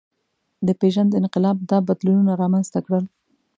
د پېژند انقلاب دا بدلونونه رامنځ ته کړل.